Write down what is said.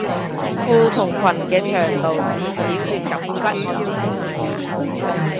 褲同裙嘅長度至少要及膝我先滿意